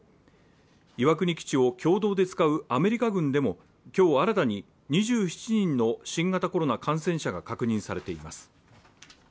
岩国基地を共同で使うアメリカ軍でも今日新たに２７人の新型コロナ感染者が確認されています。